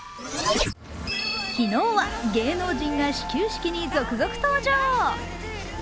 昨日は芸能人が始球式に続々登場。